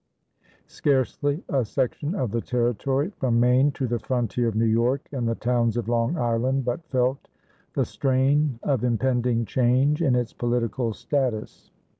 Scarcely a section of the territory from Maine to the frontier of New York and the towns of Long Island but felt the strain of impending change in its political status.